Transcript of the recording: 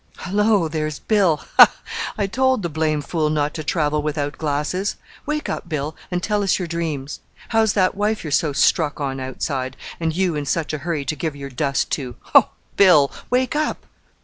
"Hello! there's Bill! Ha! I told the blame fool not to travel without glasses. Wake up, Bill, and tell us your dreams. How's that wife you're so struck on outside, and you in such a hurry to give your dust to! Ho! Bill, wake up!"